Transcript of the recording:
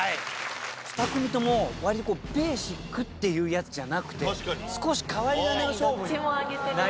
２組とも割とこうベーシックっていうやつじゃなくて少し変わり種の勝負になりました。